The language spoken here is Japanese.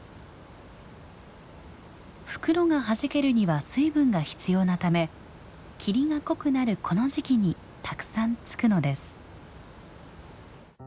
袋がはじけるには水分が必要なため霧が濃くなるこの時期にたくさんつくのです。